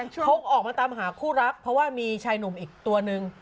เขาออกมาตามหาคู่รักเพราะว่ามีชายหนุ่มอีกตัวนึง